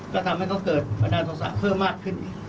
ก็ทำให้เขาเกิดประดานทรงสารเพิ่มมากขึ้น